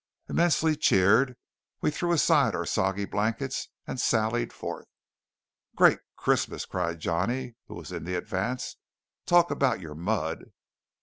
Immensely cheered, we threw aside our soggy blankets and sallied forth. "Great Christmas!" cried Johnny, who was in the advance. "Talk about your mud!"